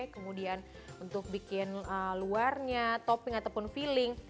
kemudian untuk bikin luarnya topping ataupun feeling